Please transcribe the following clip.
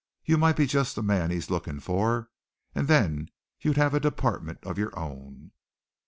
You might be just the man he's looking for, and then you'd have a department of your own."